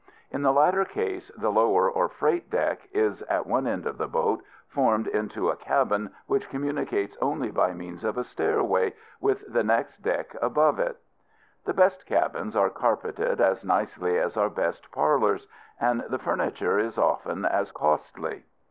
In the latter case, the lower or freight deck is at one end of the boat, formed into a cabin which communicates only by means of a stairway with the next deck above it. The best cabins are carpeted as nicely as our best parlors, and the furniture is often as costly.